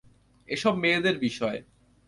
এসব মেয়েদের বিষয়।